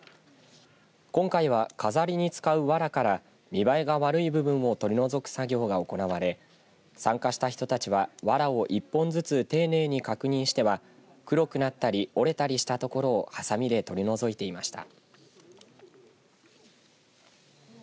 今回は飾りに使うわらから見栄えが悪い部分を取り除く作業が行われ参加した人たちはわらを一本ずつ丁寧に確認しては黒くなったり折れたりした所をはさみで取り除いていました。